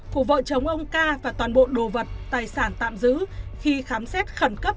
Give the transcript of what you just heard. của vợ chồng ông ca và toàn bộ đồ vật tài sản tạm giữ khi khám xét khẩn cấp